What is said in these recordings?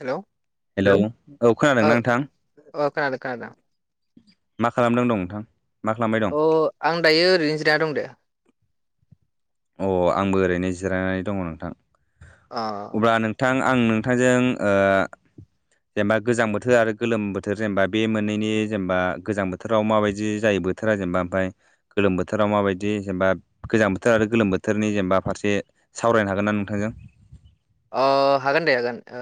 हेल' hello औ खोनादोंना नोंथां अ खोनादों खोनादों मा खालामदों दं नोंथां मा खालामबाय दं अ आं दायो ओरैनो जिरायना दं दे अ आंबो ओरैनो जिरायनानै दङ' नोंथां अ अब्ला नोंथां आं नोंथांजों ओ जेनेबा गोजां बोथोर आरो गोलोम बोथोर जेनेबा बे मोननैनि जेनेबा गोजां बोथोराव माबायदि जायो बोथोरा जेनेबा ओमफ्राय गोलोम बोथोराव माबायदि जेनेबा गोजां बोथोर आरो गोलोम बोथोरनि जेनेबा फारसे सावरायनो हागोन ना नोंथांजों अ हागोन दे हागोन ओ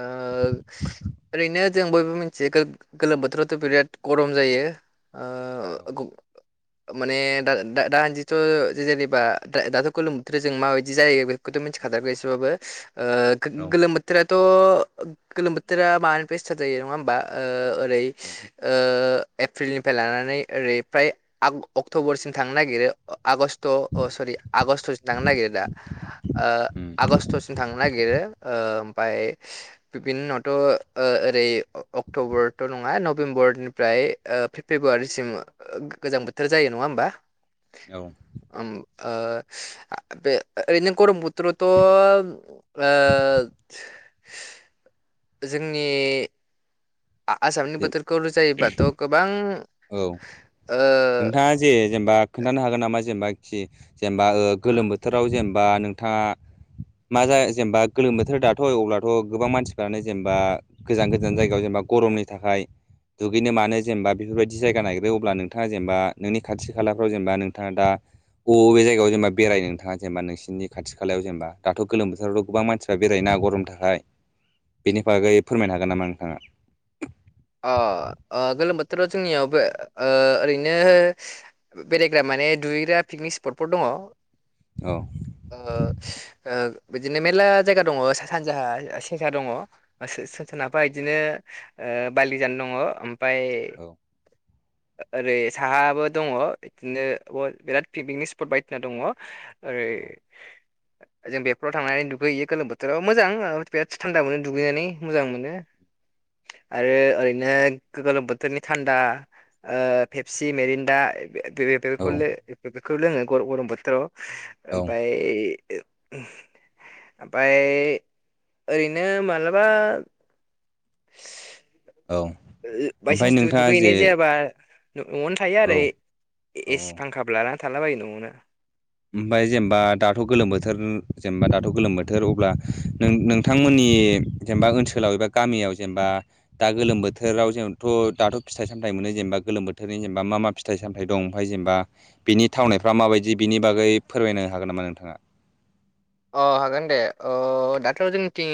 ओरैनो जों बयबो मिथियो गो-गोलोम बोथोराव थ' बिराद गरम जायो औ ओ माने दा-दा-दासानदिथ' जेनेबा दा-दाथ' गोलोम बोथोर जों माबायदि जायो बे खौथ' मिथिखाथारगौ एसेबाबो ओ औ गो-गोलोम बोथोराथ' गोलोम बोथोरा माबानिफ्राय स्टार्ट जायो नङा होमबा ओ ओरै उम ओ एप्रिलनिफ्राय लानानै ओरै फ्राय आग अक्ट'बरसिम थांनो नागिरो आगष्ट अ सरि आगष्टसिम थांनो नागिरो दा ओ उम आगष्टसिम थांनो नागिरो ओ ओमफ्राय बिनि उनावथ' ओ ओरै अक्ट'बरथ' नङा नभेबरनि बेनिफ्राय ओ फेब्रुवारिसिम गोजां बोथोर जायो नङा होमबा औ ओम ओ ओरैनो गरम बोथोरावथ' ओ जोंनि आ-आसामनि जे बोथोरखौ रुजुयोबाथ' गोबां औ ओ नोंथाङा जे जेनेबा खोन्थानो हागोन नामा जेनेबााखि जेनेबा ओ गोलोम बोथोराव जेनेबा नोंथाङा मा जा जेनेबा गोलोम बोथोर दाथ' अब्लाथ' गोबां मानसिफोरानो जेनेबा गोजान गोजान जायगायाव जेनेबा गरमनि थाखाय दुगैनो मानो जेनेबा बेफोरबायदि जायगा नागिरो अब्ला नों नोंथाङा जेनेबा नोंनि खाथि खालाफ्राव जेनेबा नोंथाङा दा बबे बबे जायगायाव जेनेबा बेरायो नोंथाङा जेनेबा नोंसिनि खाथि खालायाव जेनेबा दाथ' गोलोम बोथोरावथ' गोबां मानसिया बेरायोना गरमनि थाखाय बेनि बागै फोरमायनो हागोन नामा नोंथाङा अ ओ गोलोम बोथोराव जोंनियावबो ओ ओरैनो बेरायग्रा मान ने दुगैग्रा पिकनिक स्पटफोर दङ' ओ औ ओ बिदिनो मेरला जायगा दङ' सा-सानजाहा से-सेखा दङ' सो-सो-सोनाबहा बिदिनो ओ बालि जान दङ' ओमफाय औ ओरै साहाबो दङ' बिदिनो बिराद पिकनिक स्पट बायदिसिना दङ' ओरै औ [inaudible] जों बेफोराव थांनानै दुगैहैयो गोलोम बोथोराव मोजां बिराद थान्दा मोनो दुगैनानै मोजां मोनो [inaudible] आरो ओरैनो गोलोम बोथोरनि थान्दा फेपसि मेरिन्दा बेफोरखौ औ बेफोरखौ लोङो गरम बोथोराव औ ओमफ्राय ओमफ्राय ओरैनो मालाबा औ ओमफ्राय बायसान्स नोंथाङा जे दु-दुगैहैनाय जायाबा न'आवनो थायो औ आरो औ औ एसि फांखाबो लानानै थाला बायो न'आवनो । ओमफाय जेनेबा दाथ' गोलोम बोथोर जेनेबा दाथ' गोलोम बोथोर अब्ला नों नोंथांमोननि नि जेनेबा ओनसोलाव एबा गामियाव जेनेबा दा गोलो बोथोराव जोंथ' दाथ' फिथाइ सामथाइ [unintelligible] गोलोम बोथोरनि जेनेबा मा मा फिथाइ सामथाय दं ओमफ्राय जेनेबा बिनि थानायफोरा मा बादि बिनि बागै फोरमायनो हागोन नामा नोंथाङा? अ हागोन दे। ओ दाथ' जोंनिथिं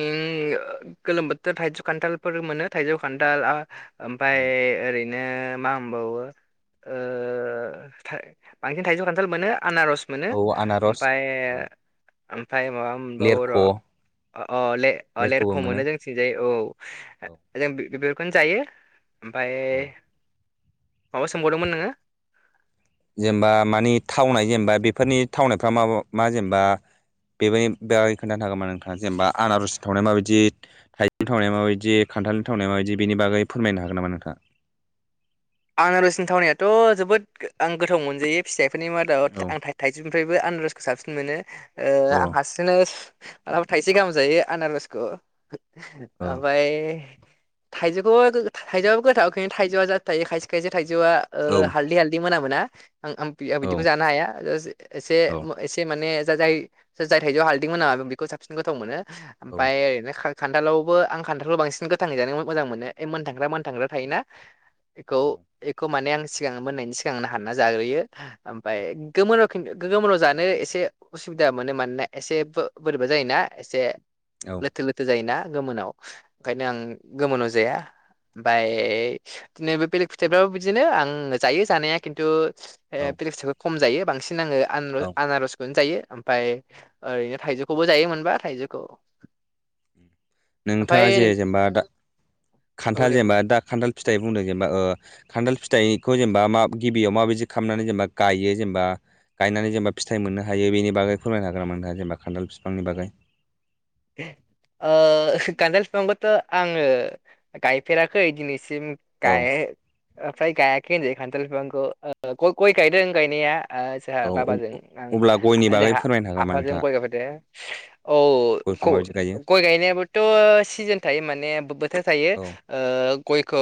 गोलोम बोथोर थाइजौ खान्थालफोर मोनो थाइजौ खान्थाल आ ओमफाय ओरै बिदिनो मा होनबावो। ओ बांसिन थाइजौ खान्थाल मोनो। आनारस मोनो, औ आनारस ओमफाय, औ ओमफाय माबा मोनबावो लेरख' र' अ लेर-लेरख' मोनो जोंनिथिंजाय औ। औ जों बे [unintelligible] बेखौनो जायो। ओमफाय औ माबा सोंबावदोंमोन नोङो? जेनेबा मानि थावनाय जेनेबा बेफोरनि थावनायफ्रा मा मा जेनेबा बेबाय [unintelligible] खोन्थानो हागौमोन नोंथाङा जेनेबा आनारस थावनाया माबायदि? थाइजौ थावनाय माबायदि? खान्थालनि थावनाय माबायदि, बेनि बागै फोरमायनो हागोन नामा नोंथाङा? आनारसनि थावनायाथ' जोबोद आं गोथाव मोनजायो फिसाइफोरनि मादाव, औ आं [unintelligible] था-थाइजौ फ्रायबो आनारसखौ साबसिन मोनो। ओ औ आं हारसिंनो मालाबा थाइसे गाहाम जायो आनारसखौ। औ ओमफाय थाइजौखौ थाइजौआबो गोथाव, थाइजौआ जाथ थायो खायसे खायसे थाइजौ जौआ ओ औ हालदि हालदि मोनामो ना? आंं आं आं औ बिदिखौ जानो हाया, जास एसे औ एसे माने जाय जाय थाइजौआव हालदि मोनामा बेखौ साबसिन गोथाव मोनो। ओमफाय ओरैनो खान्थालावबो आं खान्थालखौ बांसिन गोथाङै जानो मोजां मोनो। मोनथांग्रा मोनथांग्रा थायोना? बेखौ, बेखौ माने आं सिगां मोननायनि सिगांनो हानना जाग्रोयो। ओमफाय गोमोनाव खिनथु गोमोनाव जानो एसे उसुबिदा मोनो मानोना एसे बै-बोरैबा जायोना एसे औ लोथो लोथो जायोना? गोमोनाव ओंखायनो आं गोमोनाव जाया। ओमफाय नैबे बेलेग फिथायफोराबो बिदिनो आं जायो जानाया खिन्थु, ओ औ बेलेग फिथाइखौ खम जायो बांसिन सिन आङो औ आनार-आनार'सखौनो जायो। ओमफाय ओरैनो थाइजौखौबो जायो मोनबा थाइजौखौ। नोंथाङा जे, ओमफ्राय जेनेबा दा औ खान्थाल दे बुं जेनेबा दा खान्थाल फिथाइ बुंदों जेनेबा ओ खान्थाल फिथाइखौ जेनेबा मा गिबियाव माबायदि खामनानै जेनेबा गायो जेनेबा? गायनानै जेनेबा फिथाइ मोननो हायो बेनि बागै फोरमायनो हागोन नामा जेनेबा खान्थाल फिफांनि बागै? ओ खान्थाल फिफांखौथ' आङो गायफेराखै दिनै सिम औ गाय ओमफाय गाय खै होनजायो खान्थाल फिफांखौ। ओ गय गायदों गायनाया। ओ जोंहा औ बाबाजों अब्ला गयनि आं बागै जोंहा फोरमायनो हागोन नामा आफाजों नोंथाङा गय गायफेरदो। औ गयखौ खौ माबायदि गायो गय गायनायाबोथ' सिजोन थायो माने बोथोर औ थायो। ओ ओ गयखो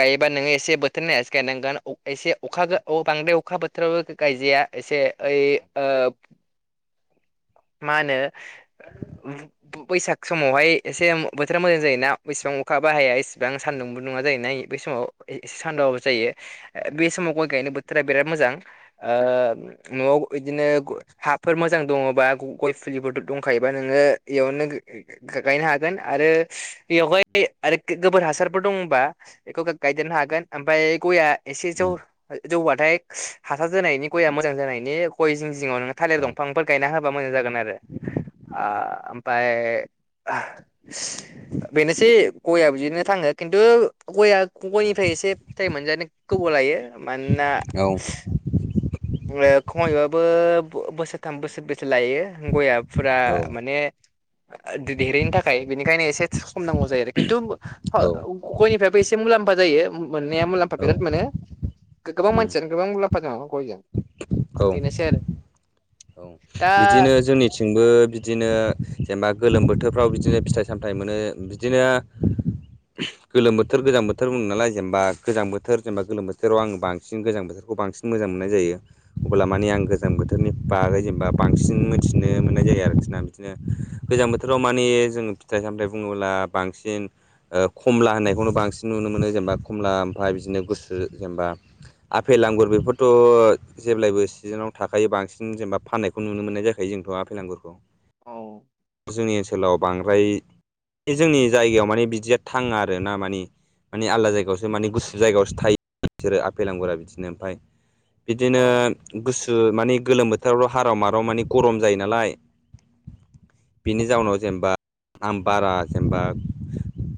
गायोबा नोङो एसे बोथोर नायनासो गायनांगोन एसे अखा बांद्राय अखा अखा बोथोरावबो गायजाया एसे ओइ ओ मा होनो बैसाग समावहाय एसे बोथोरा मोजां जायोना [unintelligible] अखाबो हाया इसेबां सानदुंबो नङा जायोना बै समाव एसे सान्दुंआबो जायो बै समाव गय गायनो बोथोरा बिराद मोजां ओ न'आव बिदिनो हाफोर मोजां दङबा गय फुलिफोर दंखायोबा नोङो इयावनो गायनो हागोन आरो बेयावहाय आरो गोबोर हासारफोर दंबा बेखौ गायदेरनो हागोन ओमफाय गया एसे जौ जौबाथाय हासार जानायनि गया मोजां जानायनि गय जिं जिङाव नोङो थालिर दंफांफोर गायना होबा मोजां जागोन आरो। ओ ओमफाय बेनोसै गया बिदिनो थाङो। खिन्थु गयआ, गयनिफ्राय एसे फिथाइ मोनजानो गोबाव लायो मानोना औ ओ खमैयबाबो बोसोरथाम बोसोरब्रैसो लायो। गया फुरा औ माने ओ देरैनि थाखाय बेनिखायनो एसे सम नांगौ जायो आरो खिन्थु गयनिफायबो एसे मुलाम्फा म्फा जायो मोननाया मुलाम्फा बिराद मोनो गोबां मानसियानो गोबां मुलाम्फा दङ गयजों बेनोसै आरो। दा बिदिनो जोंनिथिंबो बिदिनो जेनेबा गोलोम बोथोरफ्राव बिदिनो फिथाइ सामथाइ मोनो बिदिनो गोलोम बोथोर गोजां बोथोर बुंदों नालाय जेनेबा गोजां बोथोर जेनेबा गोलोम बोथोराव आङो बांसिन गोजां बोथोर खौ बांसिन मोजां मोननाय जायो अब्ला माने आं गोजां बोथोरनि बागै जेनबा बांसिन मिथिनो मोननाय जायो आरोखि ना बिदिनो गोजां बोथोराव माने जोङो फिथाइ सामथाय बुङोब्ला बांसिन खमला होननायखौनो बांसिन नुनो मोनो जेनेबा खमला ओमफ्राय बिदिनो गुसु जेनेबा आफेल आंगुर बेफोरथ' जेब्लायबो सिजोनाव थाखायो बांसिन जेनेबा फाननायखौ नुनो मोननायजाखायो जोंथ' आफेल आांगुरखौ औ जोंनि ओनसोलाव बांद्राय बे जोंनि जायगायाव माने बिदिया थाङा आरोना मानि माने आलदा जायगायावसो माने गुसु जायगायावसो थायो बिसोरो आफे लांगुरा बिदिनो ओमफाय अ बिदिनो गुसु माने गोलोम बोथोरावथ' हाराव माराव मानि गरम जायो नालाय बिनि जाउनाव जेनेबा आम बारा जेनेबा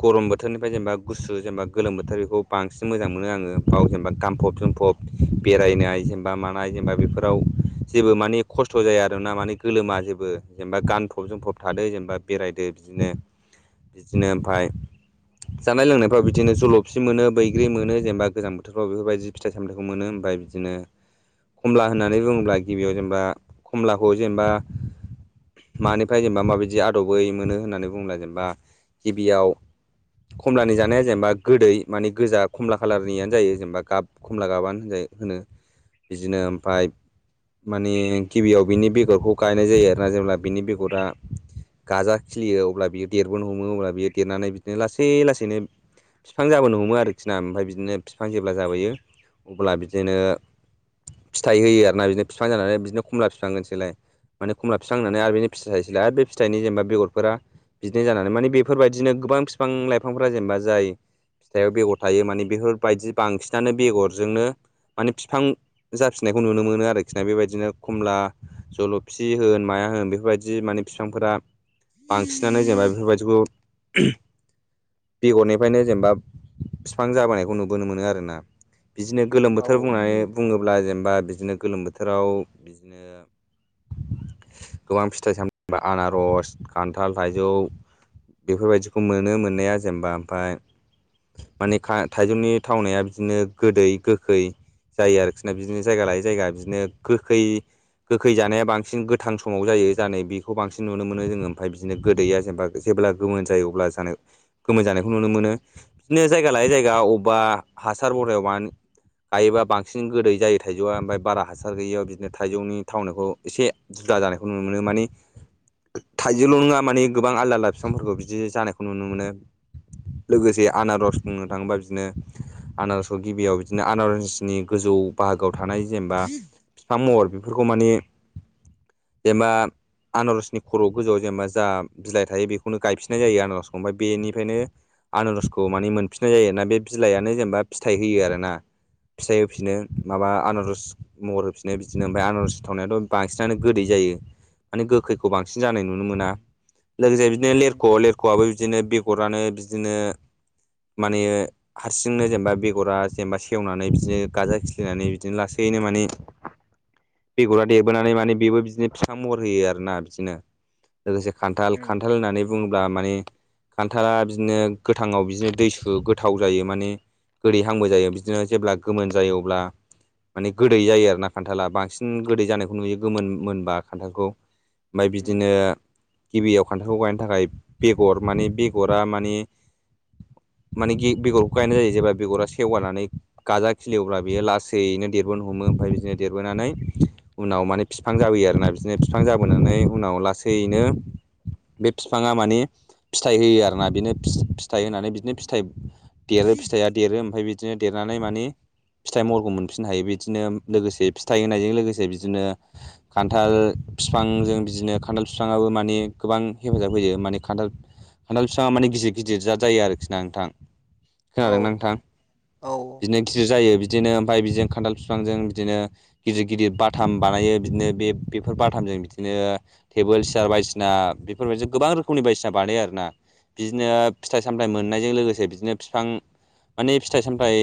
गरम बोथोरनिफ्राय जेनेबा गुसु जेनेबा गोलोम बोथोर बेखौ बांसिन मोजां मोनो आङो बाव जेनेबा गामफब जोम फब बेरायनाय जेनेबा मानाय जेनेबा बेफोराव जेबो मानि खस्थ' जाया आरोना मानि गोलोमा जेबो जेनेबा गान फब जोमफब थादो जेनेबा बेरायदो बिदिनो बिदिनो ओमफाय जानाय लोंनायफ्राव बिदिनो जल'फसि मोनो बैग्रि मोनो जेनेबा गोजां बोथोरफ्राव बेफोरबायदि फिथाइ सामथाइखौ मोनो ओमफाय ओमफाय बिदिनो खमला होननानै बुङोब्ला गिबियाव जेनेबा खमलाखौ जेनेबा मानिफ्राय जेनेबा माबायदि आदबै मोनो होननानै बुंङोब्ला जेनेबा गिबियाव खमलानि जानाया जेनेबा गोदै मानि गोजा खमला खालारनियानो जायो जेनेबा गाब खमला गाबानो होनजायो होनो बिदिनो ओमफ्राय माने गिबियाव बिनि बेगरखौ गायनाय जायो आरोना जेनेब्ला बिनि बेगरा गाजा खिलियो अब्ला बियो देरबोनो हमो अब्ला बियो देरनानै बिदिनो लासै लासैनो बिफां जाबोनो हमो आरोखि ना ओमफाय बिदिनो बिफां जेब्ला जाबोयो अब्ला बिदिनो फिथाइ होयो आरोना बिदिनो बिफां जानानै बिदिनो खमला फिफांहोनोसैलाय खमलाफिफां होनना दा बेनो फिथाय थाइसैलाय आरो बे फिथाइनि जेनेबा बेगरफोरा बिदिनो जानानै मानि बेफोरबायदिनो गोबां बिफां लाइफांफोरा जेनेबा जाय फिथाइाव बेगर थायो माने बेफोरबायदि बांसिनानो बेगरजोंनो माने बिफां जाफिननायखौ नुनो मोनो आरोखि ना बेबायदिनो खमला जलफि होन माया होन बेफोरबायदि माने फिफांफोरा बांसिनानो जेनेबा बेफोरबायदिखौ बेगरनिफ्रायनो जेनेबा बिफां जाबोनायखौ नुबोनो मोनो आरोना बिदिनो गोलोम बोथोर औ बुंनानै बुङोब्ला जेनेबा बिदिनो गोलोम बोथोराव बिदिनो गोबां फिथाइ साम बा आनारस खान्थाल थाइजौ बेफोरबायदिखौ मोनो मोननाया जेनेबा ओमफाय माने खा थाइजौनि थावनाया बिदिनो गोदै गोखै जायो आरोखि ना बिदिनो जायगा लायै जायगा बिदिनो गोखै गोखै जानाया बांसिन गोथां समाव जायो जानाय बेखौ बांसिन नुनो मोनो जोङो ओमफ्राय बिदिनो गोदैया जेनेबा जेब्ला गोमोन जायो अब्ला जानाय गोमो जानायखौ नुनो मोनो बिदिनो जायगा लायै जायगा अबा हासार बरहायावबा गायोबा बांसिन गोदै जायो थाइजौआ ओमफ्राय बारा हासार गैयियाव बिदिनो थाइजौनि थावनायखौ एसे जुदा जानाय नुनो मोनो माने थाइजौल' नङा मानि गोबां आलदा आलदा बिफांफोरखौ बिदि जानायखौ नुनो मोनो लोगोसे आनारस बुंनो थाङोबा बिदिनो आनारसखौ गिबियाव बिदिनो आनारसनि गोजौ बाहागोआव थानाय जेनेबा बिफां महर बेफोरखौ माने जेनेबा आनारसनि खर' गोजौआव जेनेबा जा बिलाइ थायो बेखौनो गायफिननाय जायो आनारसखौ ओमफाय बेनिफ्रायनो आनारसखौ माने मोनफिननाय जायो आरोना बे बिलाइयानो जेनेबा फिथाइ होयो आरोना फिथाइ होफिनो माबा आनारस महर होफिनो बिदिनो ओमफ्राय आनारस थावनायाथ' बांसिनानो गोदै जायो माने गोखैखौ बांसिन जानाय नुनो मोना लोगोसे बिदिनो लेरख' उम लेरख'आबो बिदिनो बेगर आनो बिदिनो माने हारसिंनो जेनेबा बेगरा जेनेबा सेवनानै बिदिनो गाजा खिलिनानै बिदिनो लासै नो माने बेग'रा देरबोनानै माने बेबो बिदिनो बिफां महर होयो आरोना बिदिनो लोगोसे खान्थाल उम खान्थाल होननानै बुङोब्ला माने खान्थाला बिदिनो गोथाङाव बिदिनो दैसु गोथाव जायो माने गोदैहांबो जायो बिदिनो जेब्ला गोमोन जायो अब्ला माने गोदै जायो आरोना खान्थाला बांसिन गोदै जानायखौ नुयो गोमोन मोनबा खान्थालखौ ओमफ्राय उम बिदिनो गिबियाव फान्थाव गायनो थाखाय बेगर माने बेगरा मानि मानेे गे-बेगरखौ गायनाय जायो जेबा बेगरा सेवगानानै गाजा खिलियो अब्ला बेयो लासैनो देरबोनो हमो। ओमफाय बिदिनो देरबोनानै उनाव माने बिफां जाबोयो आरोना बिदि दिनो बिफां जाबोनानै उनाव लासैनो बे बिफाङा माने फिथाइ होयो आरोना बिनो फि-फिथाइ होनानै बिदिनो फिथाइ देर फिथाइया देरो ओमफाय बिदिनो देरनानै मानि फिथाइ महरखौ मोनफिननो हायो बिदिनो लोगोसे फिथाइ होनायजों लोगोसे बिदिनो खान्थाल बिफांजों बिदिनो खान्थाल बिफाङाबो माने गोबां हेफाजाब होयो माने खान्थाल खान्थाल बिफाङा माने गिदिर गिदिर जाद जायो आरोखिना नोंथां। औ खोनादोंना नांथां औ बिदिनो गिदिर जायो बि बिदिनो ओमफ्राय बिदि खान्थाल बिफांजों बिदिनो गिदिर गिदिर बाथाम बानायो बिदिनो बे बे बेफोर बाथामजों बिदिनो टेबोल सियार बायदिसिना बेफोरबायदिजों गोबां रोखोमनि बायदिसिना बानाय आरोना बिदिनो फिथाइ सामथाय मोननायजों लोगोसे बिदिनो बिफां माने फिथाइ सामथाइ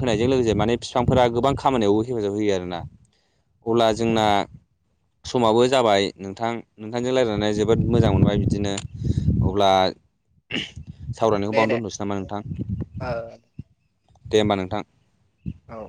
होनायजों लोगोसे माने बिफांफोरा गोबां खामानियावबो हेफाजाब होयो आरोना। अब्ला जोंना उम, समाबो जाबाय नोंथां नोंथांजों रायलायनानै जोबोद मोजां मोनबाय बिदिनो अब्ला सावरायनायखौ दे बावनो दे दोन्थ'सै नामा नोंथां दे होमबा ओ नोंथां दे होनबा नोंथां। औ